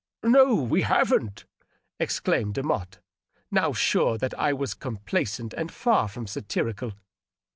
" No, we haven't," exclaimed Demotte, now sure that I was com plaisant and far from satirical.